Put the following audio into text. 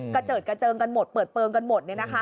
เจิดกระเจิงกันหมดเปิดเปลืองกันหมด